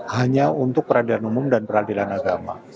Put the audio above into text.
hanya untuk peradilan umum dan peradilan agama